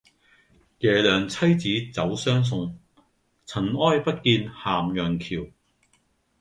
耶娘妻子走相送，塵埃不見咸陽橋。